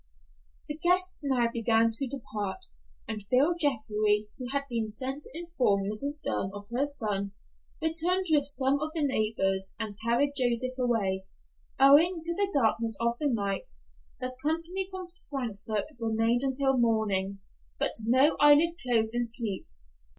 The guests now began to depart, and Bill Jeffrey, who had been sent to inform Mrs. Dunn of her son, returned with some of the neighbors, and carried Joseph away. Owing to the darkness of the night, the company from Frankfort remained until morning, but no eyelid closed in sleep.